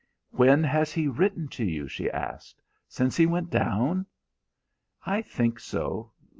"When has he written to you?" she asked. "Since he went down?" "I think so.